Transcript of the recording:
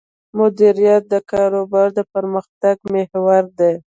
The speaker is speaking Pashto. مدیریت د کاروبار د پرمختګ محور دی.